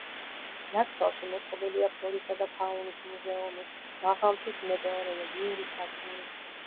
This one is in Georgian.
ნაკრძალში მოწყობილია ფლორისა და ფაუნის მუზეუმი, მაღალმთის მეტეოროლოგიური სადგური.